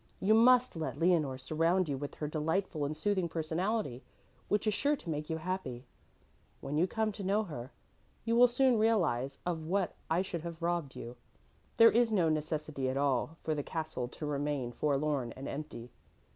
You must let Leonore surround you with her delightful and soothing personality, which is sure to make you happy. When you come to know her you will soon realize of what I should have robbed you. There is no necessity at all for the castle to remain forlorn and empty.